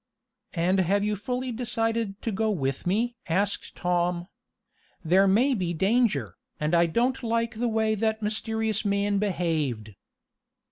"And have you fully decided to go with me?" asked Tom. "There may be danger, and I don't like the way that mysterious man behaved."